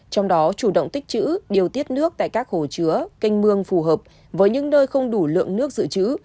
trong đó chủ động tích chữ điều tiết nước tại các hồ chứa canh mương phù hợp với những nơi không đủ lượng nước dự trữ